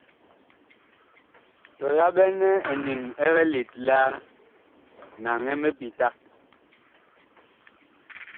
Tɔ yaɓɛnɛ eniŋ ɛg let laa, naŋɛ mipita.